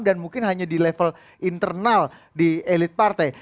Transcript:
dan mungkin hanya di level internal di elit partai